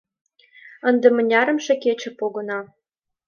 Ынде мынярымше кече погына...